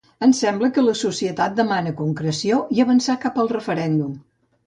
Ens sembla que la societat demana concreció i avançar cap al referèndum.